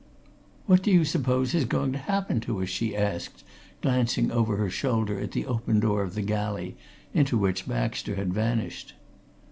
"What do you suppose is going to happen to us?" She asked, glancing over her shoulder at the open door of the galley into which Baxter had vanished.